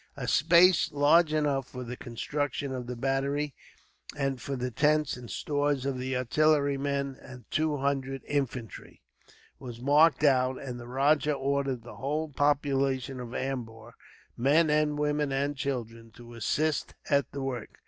A space large enough for the construction of the battery, and for the tents and stores of the artillerymen and two hundred infantry, was marked out; and the rajah ordered the whole population of Ambur, men, women, and children, to assist at the work.